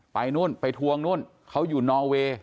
ไปนู่นไปทวงนู้นเค้าอยู่เนอรเว